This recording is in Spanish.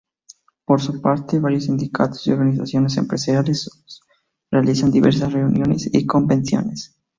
Por su parte, varios sindicatos y organizaciones empresariales realizan diversas reuniones y convenciones.